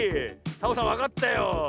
サボさんわかったよ。